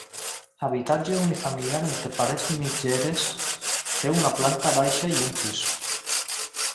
Habitatge unifamiliar entre parets mitgeres, té una planta baixa i un pis.